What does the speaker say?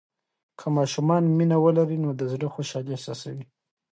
که ماشومان مینه ولري، نو د زړه خوشالي احساسوي.